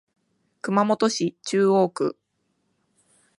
熊本市中央区